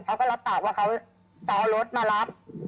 เขาก็รับปากว่าเขาจะเอารถมารับ